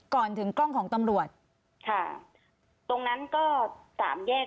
ก่อนถึงกล้องของตำรวจค่ะตรงนั้นก็สามแยก